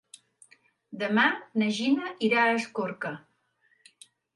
Demà na Gina irà a Escorca.